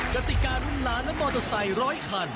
กติการุ่นล้านและมอเตอร์ไซค์ร้อยคัน